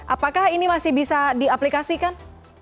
apakah ini masih bisa diaplikasikan